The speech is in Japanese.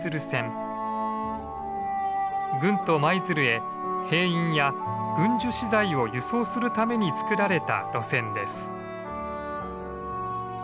軍都・舞鶴へ兵員や軍需資材を輸送するために造られた路線です。